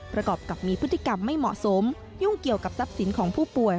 ประกอบกับมีพฤติกรรมไม่เหมาะสมยุ่งเกี่ยวกับทรัพย์สินของผู้ป่วย